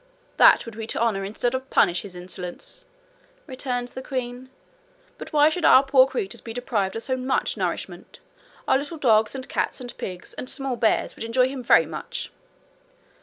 'That would be to honour instead of punish his insolence,' returned the queen. 'But why should our poor creatures be deprived of so much nourishment? Our little dogs and cats and pigs and small bears would enjoy him very much.'